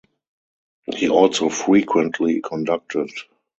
He also frequently conducted.